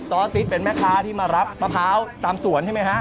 ซอสซิสเป็นแม่ค้าที่มารับมะพร้าวตามสวนใช่ไหมฮะ